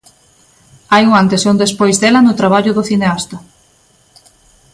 Hai un antes e un despois dela no traballo do cineasta.